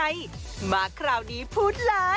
อยากมีผู้